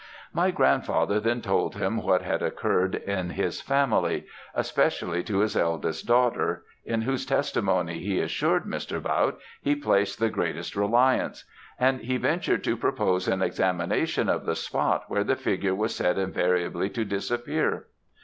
"My grandfather then told him what had occurred in his family; especially to his eldest daughter, in whose testimony, he assured Mr. Bautte, he placed the greatest reliance; and he ventured to propose an examination of the spot, where the figure was said invariably to disappear.